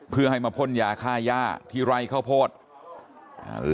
เพื่อให้มาพ่นยาฆ่าย่าที่ไร่ข้าวโพดอ่า